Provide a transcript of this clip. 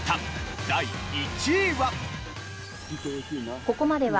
第１位は。